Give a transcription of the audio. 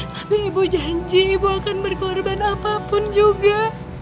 tapi ibu janji ibu akan berkorban apapun juga